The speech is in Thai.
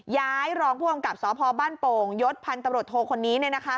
ย้ายรองผู้กำกับสพบ้านโป่งยศพันธ์ตโทษคนนี้